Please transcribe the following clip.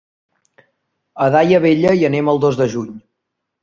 A Daia Vella hi anem el dos de juny.